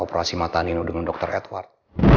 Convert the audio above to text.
operasi mata nino dengan dr edward